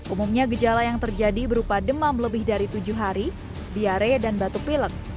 umumnya gejala yang terjadi berupa demam lebih dari tujuh hari diare dan batuk pilek